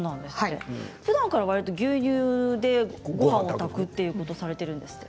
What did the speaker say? ふだんから、わりと牛乳でごはんを炊くということをされているんですって。